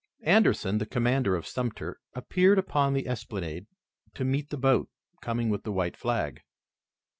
Anderson, the commander of Sumter, appeared upon the esplanade to meet the boat coming with the white flag.